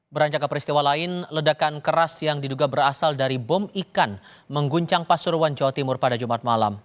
beranjak ke peristiwa lain ledakan keras yang diduga berasal dari bom ikan mengguncang pasuruan jawa timur pada jumat malam